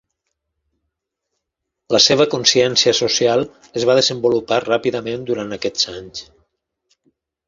La seva consciència social es va desenvolupar ràpidament durant aquests anys.